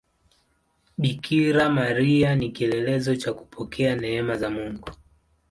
Bikira Maria ni kielelezo cha kupokea neema za Mungu.